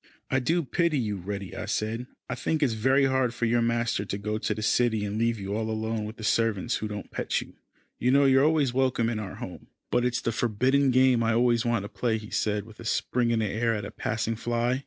"I do pity you, Reddy," I said. "I think it is very hard for your master to go to the city, and leave you all alone with the servants who don't pet you. You know you are always welcome in our home." "But it's the forbidden game I always want to play," he said, with a spring in the air at a passing fly.